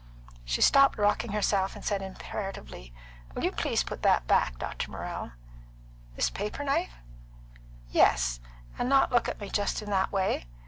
She stopped rocking herself, and said imperatively, "Will you please put that back, Dr. Morrell?" "This paper knife?" "Yes. And not look at me just in that way?